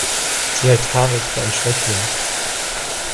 Sie hält Tarek für einen Schwächling.